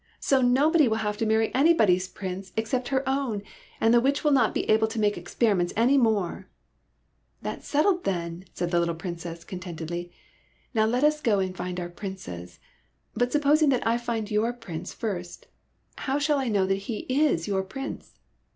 So nobody will have to marry anybody's Prince except her own, and the witch will not be able to make experiments any more !"'' That is settled, then," said the little Prin cess, contentedly. '' Now let us go and find our Princes. But supposing that I find your Prince first, how shall I know that he is your Prince